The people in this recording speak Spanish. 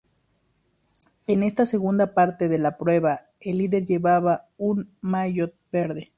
En esta segunda parte de la prueba el líder llevaba un maillot verde.